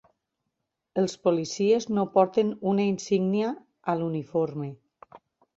Els policies no porten una insígnia a l'uniforme.